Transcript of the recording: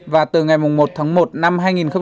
và từ ngày một tháng một năm hai nghìn một mươi năm